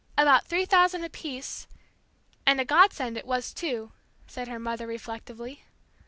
about three thousand dollars apiece " "And a Godsend it was, too," said her mother, reflectively.